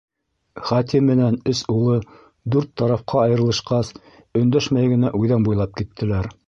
Хати менән өс улы, дүрт тарафҡа айырылышҡас, өндәшмәй генә үҙән буйлап киттеләр.